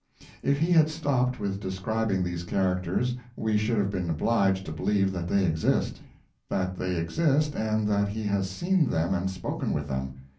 If he had stopped with describing these characters we should have been obliged to believe that they exist; that they exist, and that he has seen them and spoken with them.